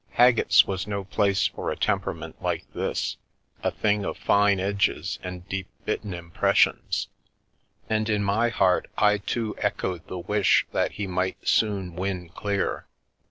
Haggett's was no place for a temperament like this, a thing of fine edges and deep bitten impressions, and in my heart I too echoed the wish that he might soon win clear.